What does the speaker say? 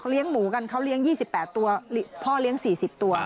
หมูกันเขาเลี้ยง๒๘ตัวพ่อเลี้ยง๔๐ตัว